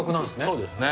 そうですね。